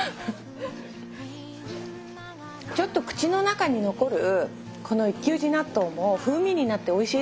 ちょっと口の中に残るこの一休寺納豆も風味になっておいしいですね。